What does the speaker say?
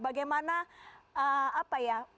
bagaimana apa ya yang dilakukan oleh pemerintah